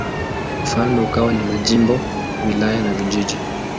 Ufalme ukawa na majimbo, wilaya na vijiji.